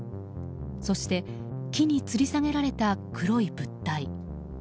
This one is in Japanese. そして木につり下げられた黒い物体。